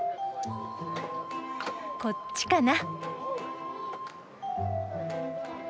こっちかな。